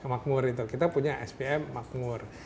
makmur itu kita punya spm makmur